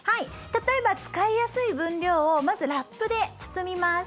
例えば使いやすい分量をまずラップで包みます。